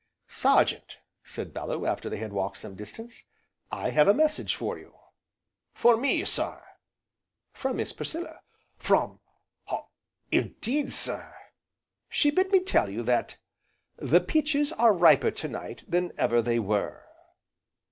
"Sergeant," said Bellew, after they had walked some distance, "I have a message for you." "For me, sir?" "From Miss Priscilla." "From indeed, sir!" "She bid me tell you that the peaches are riper to night than ever they were."